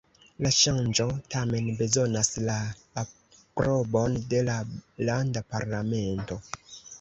La ŝanĝo tamen bezonas la aprobon de la landa parlamento.